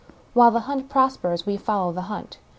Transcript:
While the hunt prospers, we follow the hunt.